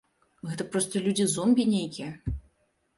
Гэта проста людзі-зомбі нейкія.